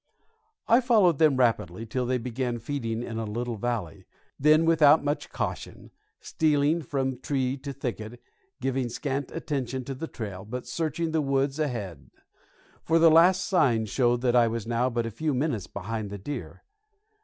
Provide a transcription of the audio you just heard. I followed them rapidly till they began feeding in a little valley, then with much caution, stealing from tree to thicket, giving scant attention to the trail, but searching the woods ahead; for the last "sign" showed that I was now but a few minutes behind the deer.